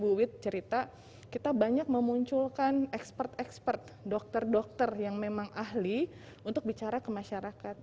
bu wit cerita kita banyak memunculkan expert expert dokter dokter yang memang ahli untuk bicara ke masyarakat